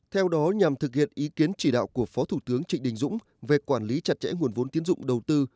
theo đó nhằm thực hiện ý kiến chỉ đạo của phó thủ tướng trịnh đình dũng về quản lý chặt chẽ nguồn vốn tiến dụng đầu tư